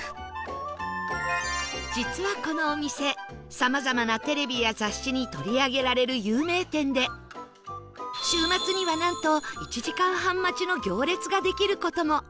実はこのお店さまざまなテレビや雑誌に取り上げられる有名店で週末にはなんと１時間半待ちの行列ができる事も